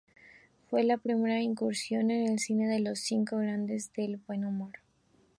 Fue la primera incursión en el cine de Los Cinco Grandes del Buen Humor.